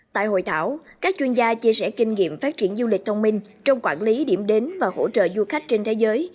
tại hội thảo các chuyên gia chia sẻ kinh nghiệm phát triển du lịch thông minh trong quản lý điểm đến và hỗ trợ du khách trên thế giới